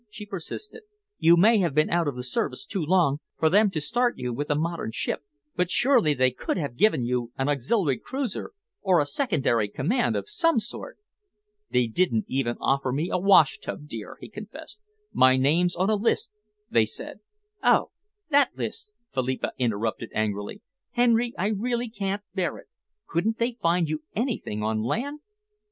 she persisted. "You may have been out of the service too long for them to start you with a modern ship, but surely they could have given you an auxiliary cruiser, or a secondary command of some sort?" "They didn't even offer me a washtub, dear," he confessed. "My name's on a list, they said " "Oh, that list!" Philippa interrupted angrily. "Henry, I really can't bear it. Couldn't they find you anything on land?"